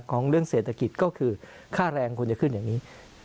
เรื่องเศรษฐกิจก็คือค่าแรงควรจะขึ้นอย่างนี้